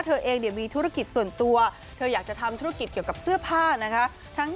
เธอยาจะทำธุรกิจเกี่ยากับเสื้อผ้า